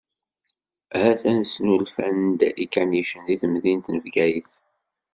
Atan snulfant-d ikanicen di temdint n Bgayet.